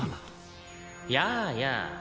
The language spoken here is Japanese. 「やあやあ」